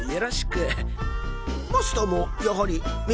マスターもやはり明